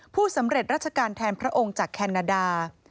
ผู้สำเร็จราชการแทนพระองค์จากแคนาดา